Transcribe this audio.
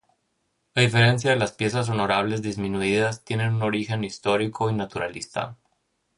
A diferencia de las piezas honorables disminuidas, tienen un origen histórico y naturalista.